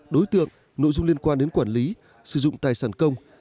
đối tượng nội dung liên quan đến quản lý sử dụng tài sản công